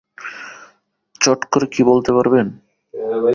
চট করে কি বলতে পারবেন?